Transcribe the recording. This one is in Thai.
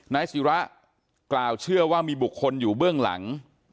นายศิระกล่าวเชื่อว่ามีบุคคลอยู่เบื้องหลัง